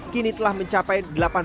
kini telah mencapai